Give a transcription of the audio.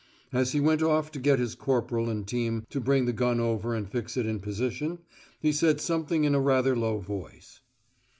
As he went off to get his corporal and team to bring the gun over and fix it in position, he said something in a rather low voice.